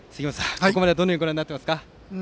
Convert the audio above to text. ここまで、どのようにご覧になっていますか？